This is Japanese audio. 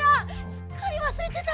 すっかりわすれてた！